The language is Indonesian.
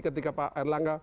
ketika pak erlangga